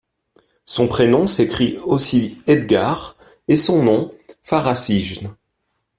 Son prénom s'écrit aussi Edgar et son nom Farasijn.